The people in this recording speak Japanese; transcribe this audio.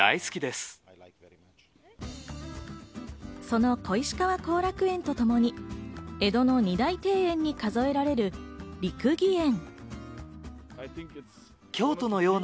その小石川後楽園とともに江戸の二大庭園に数えられる六義園。